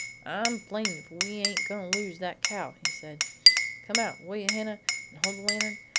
"I'm blamed if we ain't goin' to lose that cow," he said. "Come out, will ye, Hannah, and hold the lantern?